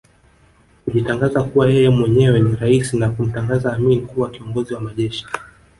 kujitangaza kuwa yeye mwenyewe ni raisi na kumtangaza Amin kuwa Kiongozi wa Majeshi